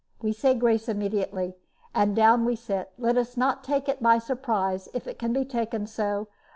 We say grace immediately, and down we sit. Let us take it by surprise, if it can be taken so.